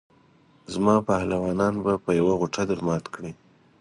زما پهلوانان به په یوه غوټه درمات کړي.